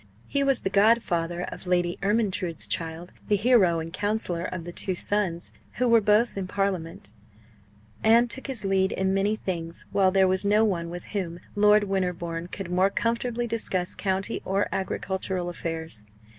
He was the godfather of Lady Ermyntrude's child; the hero and counsellor of the two sons, who were both in Parliament, and took his lead in many things; while there was no one with whom Lord Winterbourne could more comfortably discuss county or agricultural affairs.